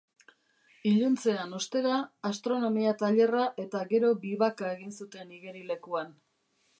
Iluntzean, ostera, astronomia tailerra eta gero vivac-a egin zuten igerilekuan.